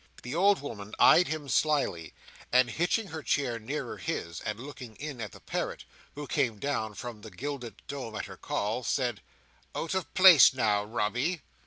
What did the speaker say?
The old woman eyed him slily, and hitching her chair nearer his, and looking in at the parrot, who came down from the gilded dome at her call, said: "Out of place now, Robby?"